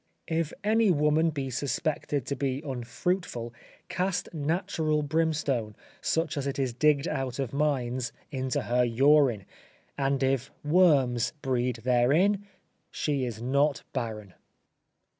If any woman be suspected to be unfruitful, cast natural brimstone, such as is digged out of mines, into her urine, and if worms breed therein, she is not barren.